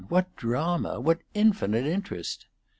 what drama? what infinite interest!